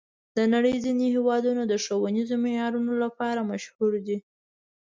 د نړۍ ځینې هېوادونه د ښوونیزو معیارونو لپاره مشهور دي.